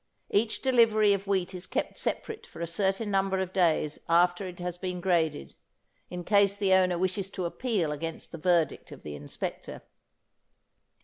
Each delivery of wheat is kept separate for a certain number of days after it has been graded, in case the owner wishes to appeal against the verdict of the inspector.